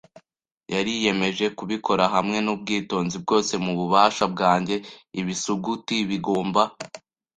yariyemeje kubikora hamwe nubwitonzi bwose mububasha bwanjye. Ibisuguti, bigomba